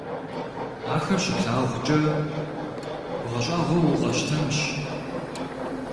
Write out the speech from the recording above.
Ахэр щыплъагъукӀэ бгъэщӀагъуэу укъэщтэнщ!